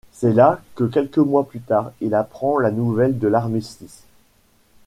C'est là que quelques mois plus tard il apprend la nouvelle de l'armistice.